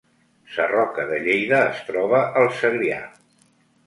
Sarroca de Lleida es troba al Segrià